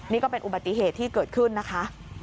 นี่ก็เป็นอุบัติเหตุที่เกิดขึ้นนะคะ